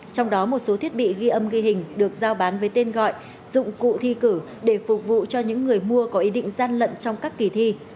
trong đó một số thiết bị ghi âm ghi hình được giao bán với tên gọi dụng cụ thi cử để phục vụ cho những người mua có ý định gian lận trong các kỳ thi